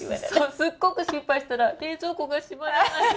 すっごく心配したら、冷蔵庫が閉まらないって。